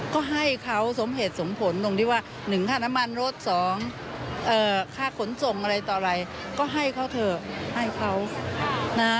ก็ให้เขาสมเหตุสมผลตรงที่ว่า๑ค่าน้ำมันรถ๒ค่าขนส่งอะไรต่ออะไรก็ให้เขาเถอะให้เขานะ